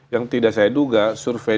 yang tidak saya duga survei